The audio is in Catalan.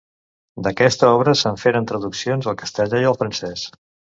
D’aquesta obra se’n feren traduccions al castellà i al francès.